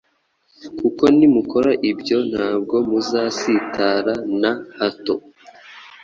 kuko nimukora ibyo ntabwo muzasitara na hato,